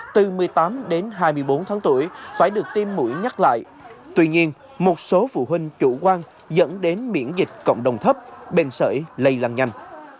từ một mươi tám đến hai mươi bốn tháng tuổi phải được tiêm mũi nhắc lại tuy nhiên một số phụ huynh chủ quan dẫn đến miễn dịch cộng đồng thấp bệnh sởi lây lan nhanh